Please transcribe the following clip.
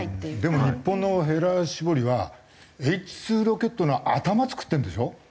でも日本のへら絞りはＨ２ロケットの頭作ってるんでしょ？